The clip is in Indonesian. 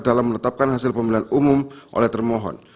dalam menetapkan hasil pemilihan umum oleh termohon